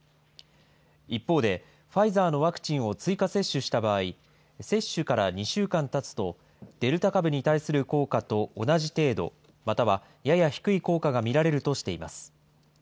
一方で、ファイザーのワクチンを追加接種した場合、接種から２週間たつと、デルタ株に対する効果と同じ程度、またはやや低い効果が見られるとしています。